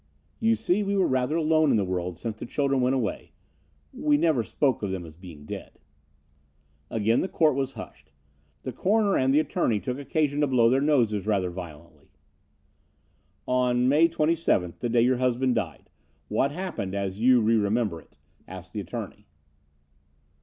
You see, we were rather alone in the world since the children went away we never spoke of them as being dead." Again the court was hushed. The coroner and the attorney took occasion to blow their noses rather violently. "On May 27th, the day your husband died, what happened, as you re remember it?" asked the attorney.